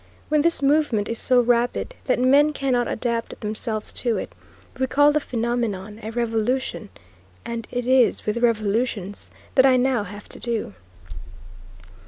When this movement is so rapid that men cannot adapt themselves to it, we call the phenomenon a revolution, and it is with revolutions that I now have to do.